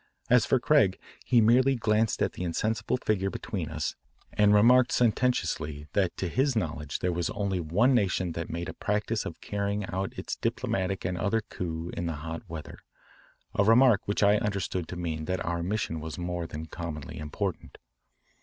As for Craig he merely glanced at the insensible figure between us and remarked sententiously that to his knowledge there was only one nation that made a practice of carrying out its diplomatic and other coups in the hot weather, a remark which I understood to mean that our mission was more than commonly important.